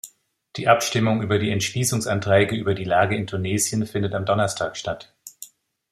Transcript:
Die Abstimmung über die Entschließungsanträge über die Lage in Tunesien findet am Donnerstag statt.